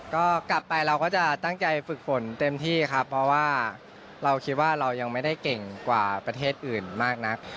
ก็กลับไปเราก็จะตั้งใจฝึกฝนเต็มที่ครับเพราะว่าเราคิดว่าเรายังไม่ได้เก่งกว่าประเทศอื่นมากนัก